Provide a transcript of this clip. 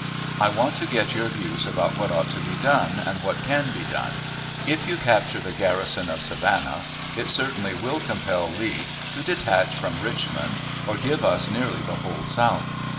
I want to get your views about what ought to be done, and what can be done. If you capture the garrison of Savannah, it certainly will compel Lee to detach from Richmond, or give us nearly the whole South.